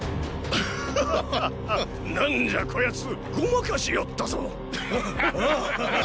何じゃこ奴ごまかしよったぞ。